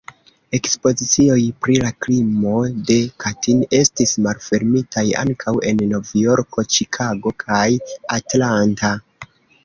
Ekspozicioj pri la krimo de Katin estis malfermitaj ankaŭ en Nov-Jorko, Ĉikago kaj Atlanta.